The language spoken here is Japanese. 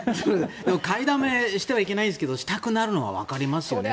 買いだめしてはいけないんですけどしたくなるのはわかりますよね。